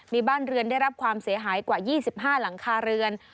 มีบ้านเรือนได้รับความเสียหายกว่า๒๕หลังคาเรือน